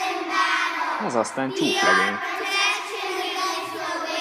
Ez aztán csúf legény!